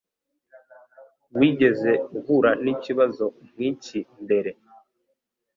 Wigeze uhura nikibazo nkiki mbere?